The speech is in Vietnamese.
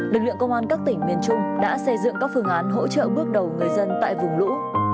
lực lượng công an các tỉnh miền trung đã xây dựng các phương án hỗ trợ bước đầu người dân tại vùng lũ